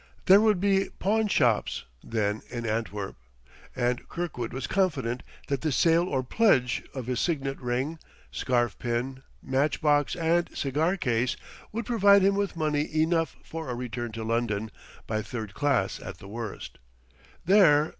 There would be pawnshops, then, in Antwerp; and Kirkwood was confident that the sale or pledge of his signet ring, scarf pin, match box and cigar case, would provide him with money enough for a return to London, by third class, at the worst. There